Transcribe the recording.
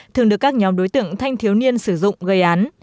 thường được các nhóm đối tượng thanh thiếu niên sử dụng gây án